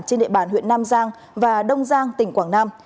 trên địa bàn huyện nam giang và đông giang tỉnh quảng nam